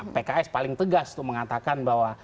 pks paling tegas untuk mengatakan bahwa